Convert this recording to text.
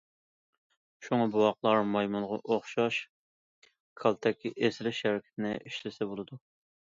شۇڭا، بوۋاقلار مايمۇنغا ئوخشاش كالتەككە ئېسىلىش ھەرىكىتىنى ئىشلىسە بولىدۇ.